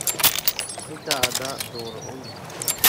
Khoi ka ah dah dawr a um?